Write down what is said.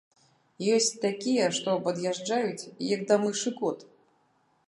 Ёсць такія, што пад'язджаюць, як да мышы кот.